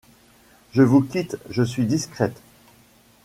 Je vous quitte, je suis discrète.